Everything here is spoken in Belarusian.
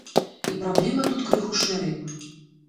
І праблема тут крыху шырэй.